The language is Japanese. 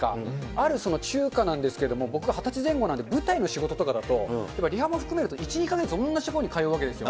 ある中華なんですけれども、僕が２０歳前後なんで、舞台の仕事とかだと、やっぱりリハも含めると１、２か月同じ所に通うわけですよ。